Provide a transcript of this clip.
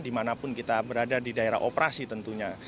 dimanapun kita berada di daerah operasi tentunya